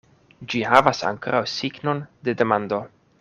Ĝi havas ankoraŭ signon de demando.